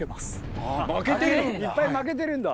いっぱい負けてるんだ。